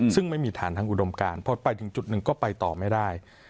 ซึ่งไม่มีฐานทางอุดมการพอไปถึงจุดหนึ่งก็ไปต่อไม่ได้